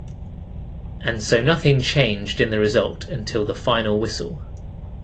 And so nothing changed in the result until the final whistle.